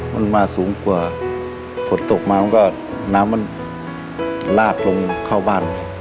มันมาสูงกว่าฝนตกมามันก็น้ำมันลาดลงเข้าบ้าน